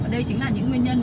đây chính là những nguyên nhân